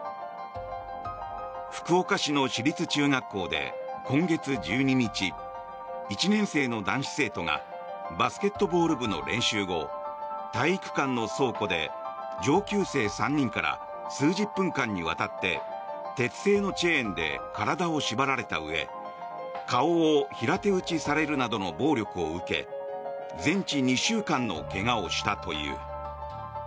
福岡市の私立中学校で今月１２日１年生の男子生徒がバスケットボール部の練習後体育館の倉庫で上級生３人から数十分間にわたって鉄製のチェーンで体を縛られたうえ顔を平手打ちされるなどの暴力を受け全治２週間の怪我をしたという。